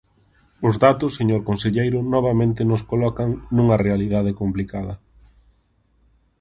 Os datos, señor conselleiro, novamente nos colocan nunha realidade complicada.